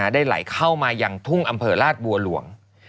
ได้ไหลเข้ามายังทุ่งอำเภอราชบัวหลวง